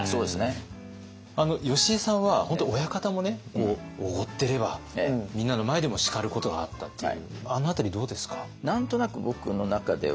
よしえさんは本当親方もおごってればみんなの前でも叱ることがあったっていうあの辺りどうですか？